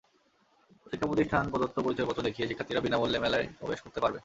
শিক্ষাপ্রতিষ্ঠান প্রদত্ত পরিচয়পত্র দেখিয়ে শিক্ষার্থীরা বিনা মূল্যে মেলায় প্রবেশ করতে পারবে।